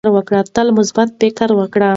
تل مثبت فکر وکړئ.